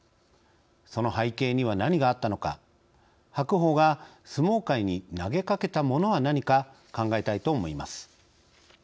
その背景には何があったのか白鵬が相撲界に投げかけたものは何か考えたいと思います。